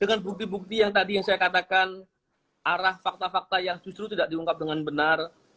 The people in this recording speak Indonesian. dengan bukti bukti yang tadi yang saya katakan arah fakta fakta yang justru tidak diungkap dengan benar